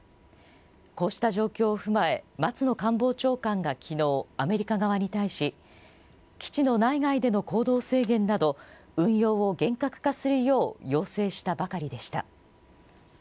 こうした状況を踏まえ、松野官房長官がきのう、アメリカ側に対し、基地の内外での行動制限など、運用を厳格化するよう要請したばかりでした。